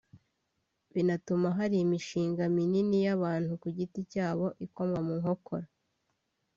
binatuma hari imishinga minini y’abantu ku giti cyabo ikomwa mu nkokora